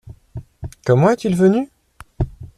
Comment est-il venu ?